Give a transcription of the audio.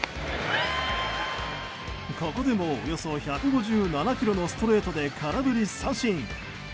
ここでも、およそ１５７キロのストレートで空振り三振。